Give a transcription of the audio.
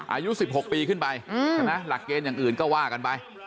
อายุ๑๖ปีขึ้นไปใช่ไหมหลักเกณฑ์อย่างอื่นก็ว่ากันไป